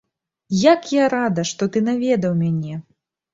Як я рада, што ты наведаў мяне!